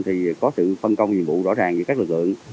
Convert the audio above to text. thì có sự phân công nhiệm vụ rõ ràng giữa các lực lượng